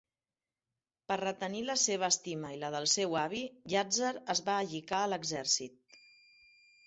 Per retenir la seva estima i la del seu avi, Llàtzer es va allicar a l'exèrcit.